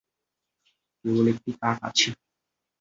কেবল একটি কাকা আছে।